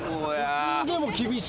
普通でも厳しい。